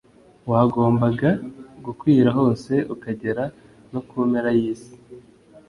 wagombaga gukwira hose, ukagera no ku mpera y'isi.